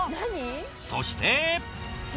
そして。